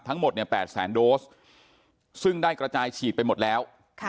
ทั้งหมดเนี่ย๘แสนโดสซึ่งได้กระจายฉีดไปหมดแล้ว